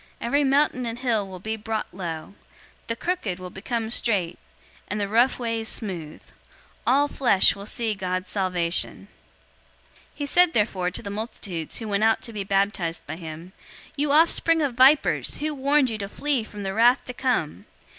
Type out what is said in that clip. Every mountain and hill will be brought low. The crooked will become straight, and the rough ways smooth. 003:006 All flesh will see God's salvation.'"{Isaiah 40:3 5} 003:007 He said therefore to the multitudes who went out to be baptized by him, "You offspring of vipers, who warned you to flee from the wrath to come?